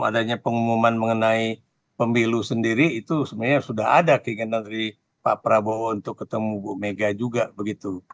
adanya pengumuman mengenai pemilu sendiri itu sebenarnya sudah ada keinginan dari pak prabowo untuk ketemu bu mega juga begitu